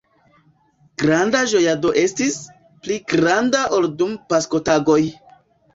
Granda ĝojado estis, pli granda ol dum Paskotagoj.